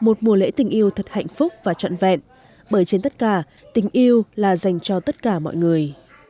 một mùa lễ tình yêu thật hạnh phúc và trọn vẹn bởi trên tất cả tình yêu là dành cho tất cả mọi người